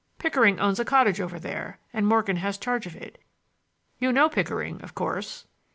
Pickering owns a cottage over there, and Morgan has charge of it. You know Pickering, of course?"